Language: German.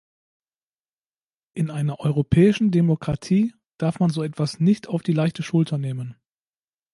In einer europäischen Demokratie darf man so etwas nicht auf die leichte Schulter nehmen.